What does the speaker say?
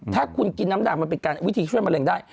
ถ้าคุณกินน้ำด่างมันเป็นวิธีช่วยมะเร็งได้